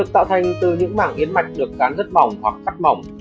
tạo thành từ những mảng hiến mạch được cán rất mỏng hoặc cắt mỏng